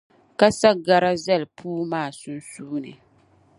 ka sa gara zali puu maa sunsuuni.